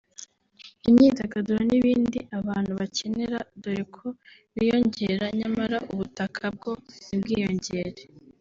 imyidagaduro n’ibindi abantu bakenera dore ko biyongera nyamara ubutaka bwo ntibwiyongere